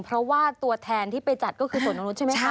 เพราะว่าตัวแทนที่ไปจัดก็คือส่วนตรงนู้นใช่ไหมครับ